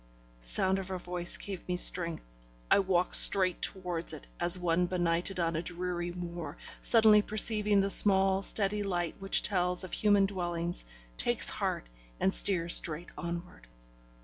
The sound of her voice gave me strength; I walked straight towards it, as one benighted on a dreary moor, suddenly perceiving the small steady light which tells of human dwellings, takes heart, and steers straight onward.